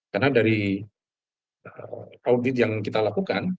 karena dari audit yang kita lakukan